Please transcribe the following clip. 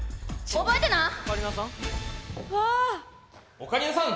オカリナさん